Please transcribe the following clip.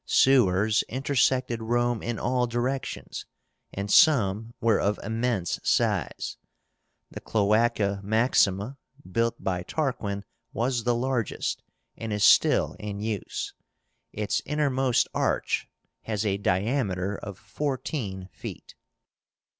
SEWERS intersected Rome in all directions, and some were of immense size. The CLOÁCA MAXIMA, built by Tarquin, was the largest, and is still in use. Its innermost arch has a diameter of fourteen feet.